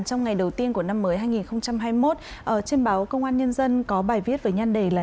trong ngày đầu tiên của năm mới hai nghìn hai mươi một trên báo công an nhân dân có bài viết về nhan đề là